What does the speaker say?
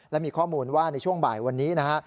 และมีข้อมูลว่าในช่วงบ่ายวันนี้นะฮะ